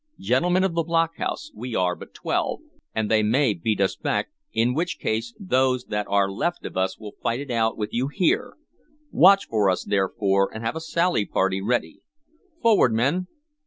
Gentlemen of the block house, we are but twelve, and they may beat us back, in which case those that are left of us will fight it out with you here. Watch for us, therefore, and have a sally party ready. Forward, men!"